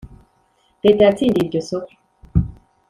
Leta yatsindiye iryo soko